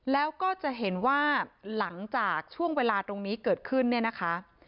แล้วก็จะเห็นว่าหลังจากช่วงเวลาตรงนี้เกิดขึ้นเนี่ยนะคะ